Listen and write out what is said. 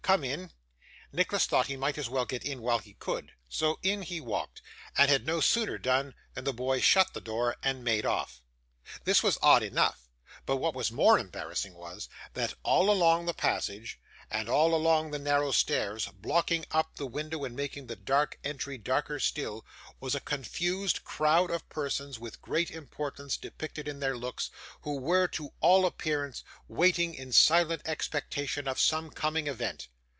Come in!' Nicholas thought he might as well get in while he could, so in he walked; and he had no sooner done so, than the boy shut the door, and made off. This was odd enough: but what was more embarrassing was, that all along the passage, and all along the narrow stairs, blocking up the window, and making the dark entry darker still, was a confused crowd of persons with great importance depicted in their looks; who were, to all appearance, waiting in silent expectation of some coming event.